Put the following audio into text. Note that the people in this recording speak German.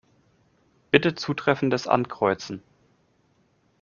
Bitte Zutreffendes Ankreuzen.